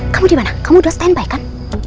kamu dimana kamu udah standby kan